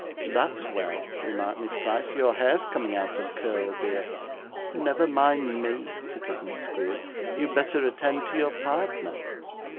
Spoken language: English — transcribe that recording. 'That's well,' remarked Miss Price. 'Your hair's coming out of curl, dear.' 'Never mind me,' tittered Miss Squeers; 'you had better attend to your partner.